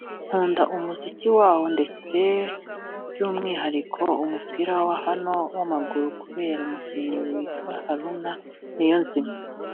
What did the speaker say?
nkunda umuziki waho ndetse by’umwihariko umupira wa hano w’amaguru kubera umukinnyi witwa Haruna Niyonzima